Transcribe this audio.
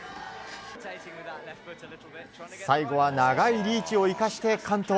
最後は長いリーチを生かして完登。